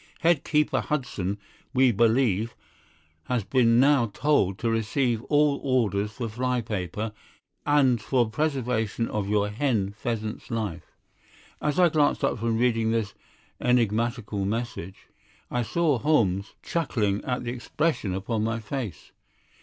"Head keeper Hudson, we believe, has been now told to receive all orders for fly paper and for preservation of your hen pheasant's life." As I glanced up from reading this enigmatical message, I saw Holmes chuckling at the expression upon my face.